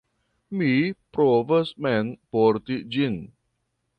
Mi provas mem porti ĝin.